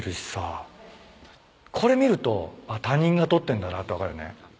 これ見るとあっ他人が撮ってんだなって分かるね。